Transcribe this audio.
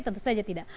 tentu saja tidak